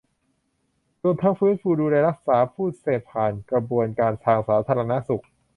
รวมทั้งฟื้นฟู ดูแล รักษาผู้เสพผ่านกระบวนการทางสาธารณสุข